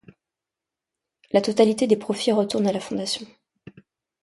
La totalité des profits retourne à la fondation.